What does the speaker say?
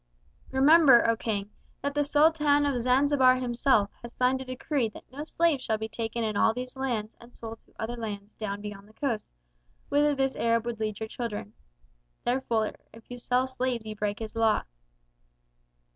"Remember, O King, that the Sultan of Zanzibar himself has signed a decree that no slaves shall be taken in all these lands and sold to other lands down beyond the coast, whither this Arab would lead your children. Therefore if you sell slaves you break his law.